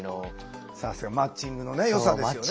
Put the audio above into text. マッチングのよさですよね